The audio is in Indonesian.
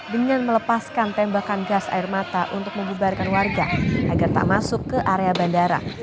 dengan melepaskan tembakan gas air mata untuk membubarkan warga agar tak masuk ke area bandara